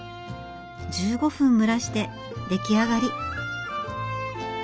１５分蒸らして出来上がり。